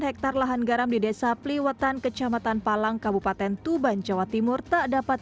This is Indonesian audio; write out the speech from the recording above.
hektare lahan garam di desa peliwetan kecamatan palang kabupaten tuban jawa timur tak dapat